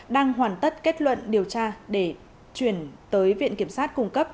đang hoàn tất kết luận điều tra để chuyển tới viện kiểm sát cung cấp